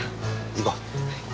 行こう。